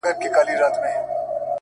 سیاه پوسي ده دا دی لا خاندي